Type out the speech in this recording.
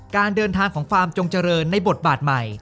การเดินทางของฟาร์มจงเจริญในบทบาทใหม่